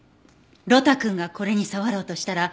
呂太くんがこれに触ろうとしたら。